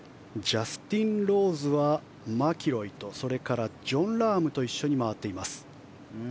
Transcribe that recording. ジャスティン・ローズはマキロイとジョン・ラームと一緒に回っています。